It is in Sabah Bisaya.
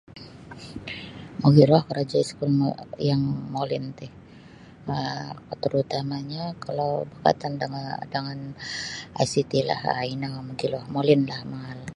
Mogilo korojo iskul mo yang molin ti um tarutama'nyo kalau barkaitan dangan dangan ai ci tilah ino mogilo molinlah mangaal.